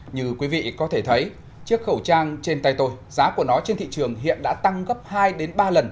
như quý vị có thể thấy chiếc khẩu trang trên tay tôi giá của nó trên thị trường hiện đã tăng gấp hai đến ba lần